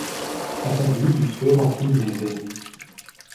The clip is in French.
A sa vue, du feu remplit mes veines.